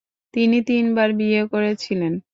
তিনি তিনবার বিয়ে করেছিলেন।